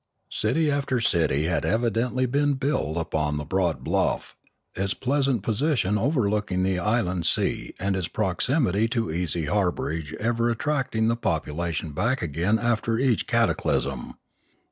City after city had evidently been built upon the broad bluff, its pleasant position overlooking the inland sea and its proximity to easy harbourage ever attracting the population back again after each cataclysm.